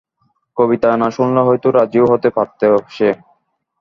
কবিতা না শুনলে হয়তো রাজিও হতে পারত সে।